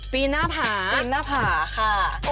ปีนหน้าผาปีนหน้าผาค่ะ